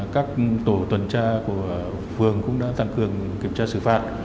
các tổ tuần tra của phường cũng đã tăng cường kiểm tra xử phạt